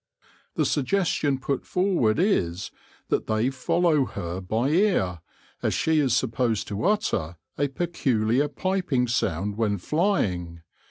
The suggestion put forward is that they follow her by ear, as she is supposed to utter a peculiar piping sound when flying.